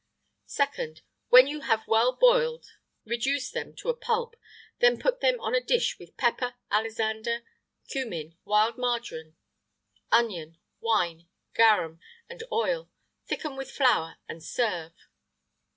[IX 110] 2nd. When you have well boiled, reduce them to a pulp, then put them on a dish with pepper, alisander, cummin, wild marjoram, onion, wine, garum, and oil; thicken with flour, and serve.